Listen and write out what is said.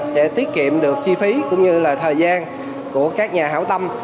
sẽ tiết kiệm được chi phí cũng như là thời gian của các nhà hảo tâm